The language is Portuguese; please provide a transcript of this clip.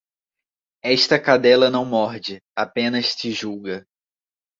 Esta cadela não morde, apenas te julga